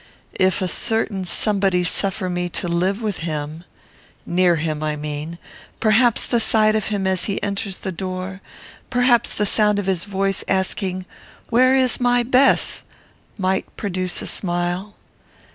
If a certain somebody suffer me to live with him, near him, I mean, perhaps the sight of him as he enters the door, perhaps the sound of his voice, asking, "Where is my Bess?" might produce a smile.